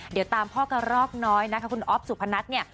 เดี๋ยวตามพ่อกระรอกน้อยนะคะคุณอ๊อฟสุพนัทเนี่ย